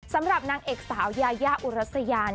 สำหรับนางเอกสาวยายาอุรัสยา